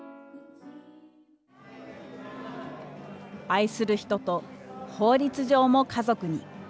愛する人と、法律上も家族に。